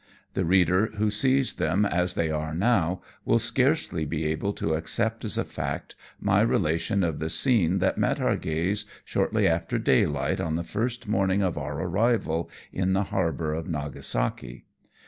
The reader who sees them as they are now, will scarcely he able to accept as a fact my relation of the scene that met our gaze shortly after daylight on the first morning of our arrival in the harbour of Nagasaki.